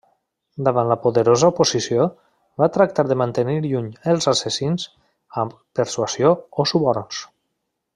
Davant la poderosa oposició, va tractar de mantenir lluny els assassins amb persuasió o suborns.